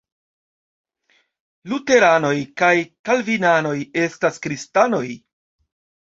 Luteranoj kaj Kalvinanoj estas kristanoj.